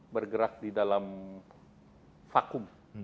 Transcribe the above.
bergerak di dalam vakum